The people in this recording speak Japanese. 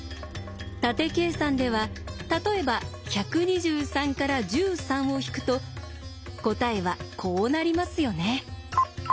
縦計算では例えば１２３から１３を引くと答えはこうなりますよね。